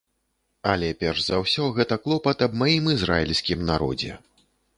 Але перш за ўсё гэта клопат аб маім ізраільскім народзе.